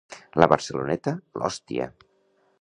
La Barceloneta, l'Òstia.